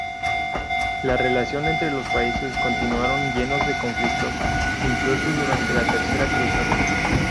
La relación entre los países continuaron llenos de conflictos, incluso durante la tercera cruzada.